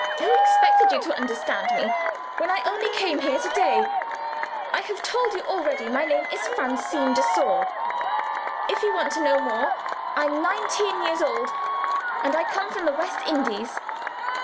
"Who expected you to understand me, when I only came here to day? I have told you already my name is Francine de Sor. If want to know more, I'm nineteen years old, and I come from the West Indies."